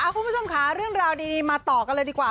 คุณผู้ชมค่ะเรื่องราวดีมาต่อกันเลยดีกว่า